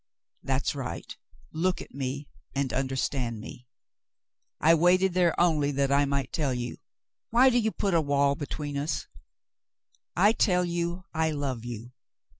''That's right. Look at me and understand me. I waited there only that I might tell you. Why do you put a wall between us "^ I tell you I love you.